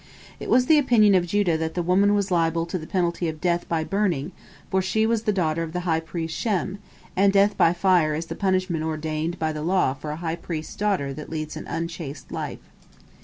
It was the opinion of Judah that the woman was liable to the penalty of death by burning, for she was the daughter of the high priest Shem, and death by fire is the punishment ordained by the law for a high priest's daughter that leads an unchaste life.